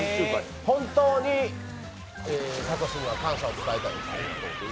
本当にサトシには感謝を伝えたいと。